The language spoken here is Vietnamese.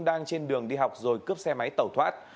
đang trên đường đi học rồi cướp xe máy tẩu thoát